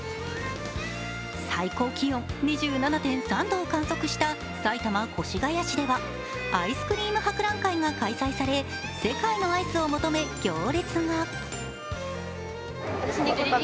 最高気温２７．３度を観測した埼玉・越谷市ではアイスクリーム博覧会が開催され、世界のアイスを求め行列が。